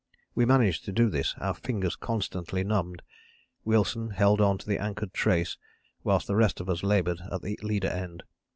We managed to do this, our fingers constantly numbed. Wilson held on to the anchored trace whilst the rest of us laboured at the leader end.